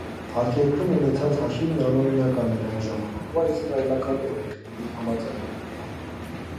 Արտերկրում ունեցած հաշիվն անօրինական էր այն ժամանակվա իսրայելական օրենքների համաձայն։